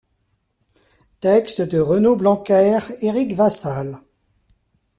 Texte de Renaud Blankert, Eric Vassal...